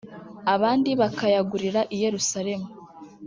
abandi bakayagurira i yerusalemu .